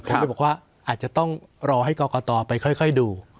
ผมเลยบอกว่าอาจจะต้องรอให้กรกตไปค่อยดู